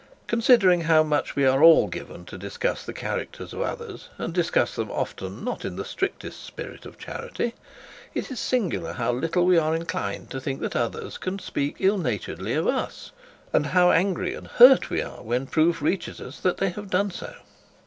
Considering how much we are all given to discuss the characters of others, and discuss them often not in the strictest spirit of charity, it is singular how little we are inclined to think that others can speak ill naturedly of us, and how angry and hurt we are when proof reaches us that they have done so.